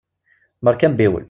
Beṛka ambiwel!